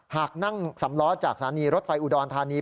หากนั่งสำล้อจากสถานีรถไฟอุดรธานี